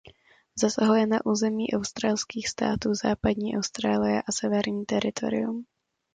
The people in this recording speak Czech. Zasahuje na území australských států Západní Austrálie a Severní teritorium.